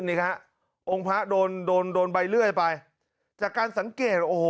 นี่ฮะองค์พระโดนโดนโดนใบเลื่อยไปจากการสังเกตโอ้โห